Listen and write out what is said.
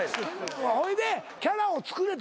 ほいでキャラを作れと。